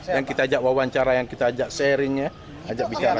yang kita ajak wawancara yang kita ajak sharing ya ajak bicara